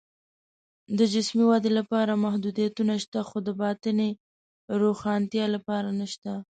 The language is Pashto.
د جسمي ودې لپاره محدودیتونه شته، خو د باطني روښنتیا لپاره نشته